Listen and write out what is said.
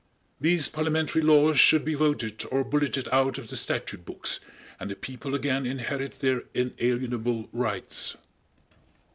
These parliamentary laws should be voted or bulleted out of the statute books, and the people again inherit their inalienable rights.